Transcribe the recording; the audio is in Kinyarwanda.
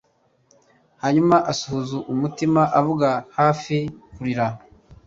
hanyuma asuhuza umutima avuga hafi kurira